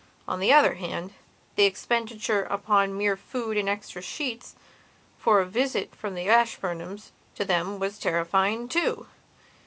On the other hand, the expenditure upon mere food and extra sheets for a visit from the Ashburnhams to them was terrifying, too.